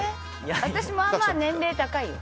私、まあまあ年齢高いよ？